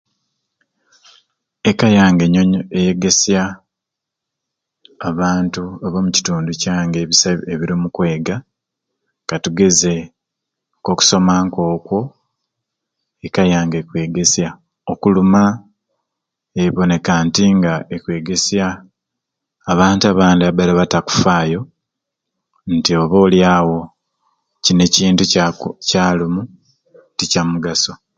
Eka yange enyonyo eyegesya abantu aba mukitundu kyange katugeze nko kusoma nko kwo eka yange ekkwegesya okuluma eboneka nti nga ekwegesya abantu abandi ababaire nga tibakufaayo nti oba oliawo kini ekintu kyaku kalimu nti ekyamugaso.